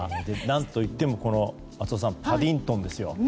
何といっても松尾さん、パディントンですよ。